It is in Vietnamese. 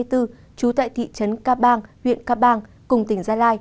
trú tại thị trấn cáp bang huyện cáp bang cùng tỉnh gia lai